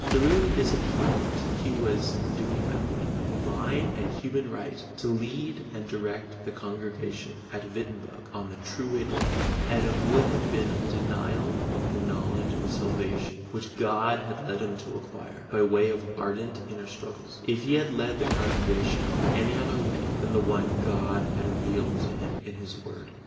Through this appointment he was in duty bound, by divine and human right, to lead and direct the congregation at Wittenberg on the true way to life, and it would have been a denial of the knowledge of salvation which God had led him to acquire, by way of ardent inner struggles, if he had led the congregation on any other way than the one God had revealed to him in His Word.